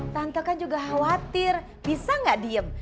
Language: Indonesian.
tante kan juga khawatir bisa gak diem